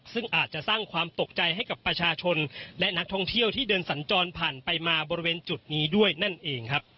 ซึ่งอาจจะสร้างความตกใจให้กับประชาชนและนักท่องเที่ยวที่เดินสัญจรผ่านไปมาบริเวณจุดนี้ด้วยนั่นเองครับ